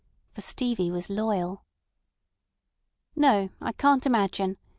For Stevie was loyal. ... "No, I can't imagine.